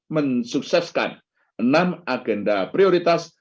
mensukseskan enam agenda prioritas